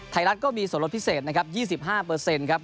รัฐก็มีส่วนลดพิเศษนะครับ๒๕ครับ